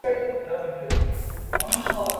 এটা তোর মাকে দিয়ে দিস।